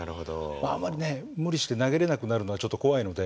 あまり無理して投げれなくなるのはちょっと怖いので。